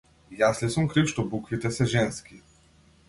Јас ли сум крив што буквите се женски?